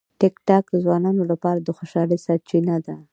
ټیکټاک د ځوانانو لپاره د خوشالۍ سرچینه ده.